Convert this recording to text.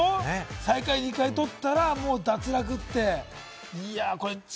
最下位２回とったら脱落でしょ？